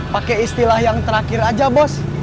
pakai istilah yang terakhir aja bos